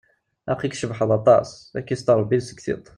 Aql-ik tcebḥeḍ aṭas, ad k-ister rebbi seg tiṭ.